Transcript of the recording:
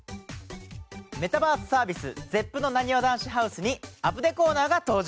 メタバースサービスＺＥＰのなにわ男子ＨＯＵＳＥに『アプデ』コーナーが登場！